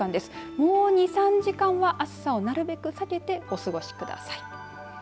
もう２３時間は暑さをなるべくさけてお過ごしください。